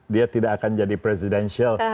dia tidak akan jadi presidensial